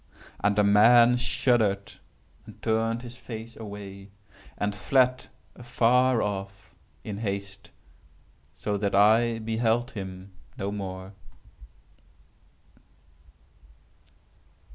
And the man shuddered, and turned his face away, and fled afar off, in haste, so that I beheld him no more."